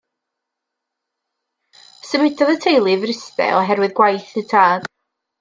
Symudodd y teulu i Fryste o herwydd gwaith y tad.